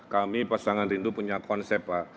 kami pasangan rindu punya konsep lah